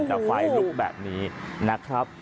แต่ไฟลุกแบบนี้นะครับ